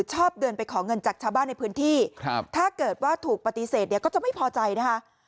ชอบเดินไปขอเงินจากชาวบ้านในพื้นที่ถ้าเกิดว่าถูกปฏิเสธเนี่ยก็จะไม่พอใจนะคะ